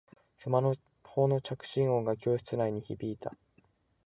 スマホの着信音が教室内に響いた